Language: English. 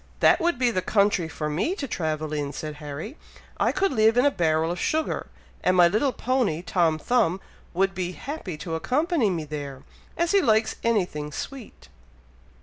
'" "That would be the country for me to travel in," said Harry. "I could live in a barrel of sugar; and my little pony, Tom Thumb, would be happy to accompany me there, as he likes anything sweet."